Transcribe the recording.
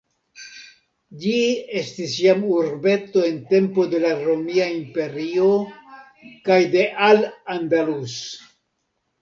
Ĝi estis jam urbeto en tempo de la Romia Imperio kaj de Al-Andalus.